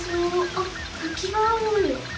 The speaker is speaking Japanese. あったきがある！